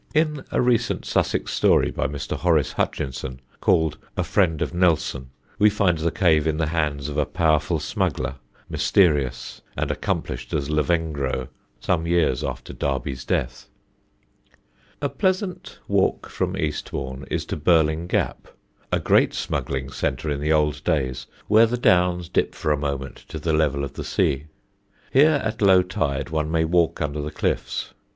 In a recent Sussex story by Mr. Horace Hutchinson, called A Friend of Nelson, we find the cave in the hands of a powerful smuggler, mysterious and accomplished as Lavengro, some years after Darby's death. [Sidenote: UNDER BEACHY HEAD] A pleasant walk from Eastbourne is to Birling Gap, a great smuggling centre in the old days, where the Downs dip for a moment to the level of the sea. Here at low tide one may walk under the cliffs.